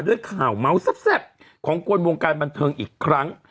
ด้วยข่าวเมาส์แซ่บของคนวงการบันเทิงอีกครั้ง